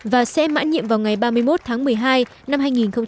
và sẽ mãn nhiệm vào ngày ba mươi một tháng một mươi hai năm hai nghìn một mươi sáu